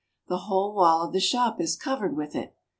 The whole wall of the shop is covered with it.